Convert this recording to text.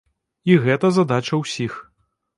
І гэта задача ўсіх.